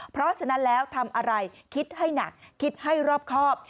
เพราะฉะนั้นแล้วทำอะไรคิดให้หนักคิดให้รอบครอบ